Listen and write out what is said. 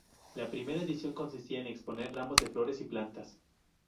La primera edición consistía en exponer ramos de flores y plantas.